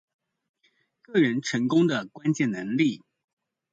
個人成功的關鍵能力